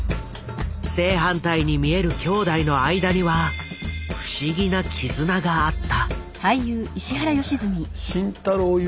正反対に見える兄弟の間には不思議な絆があった。